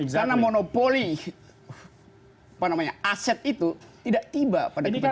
karena monopoli aset itu tidak tiba pada kebenaran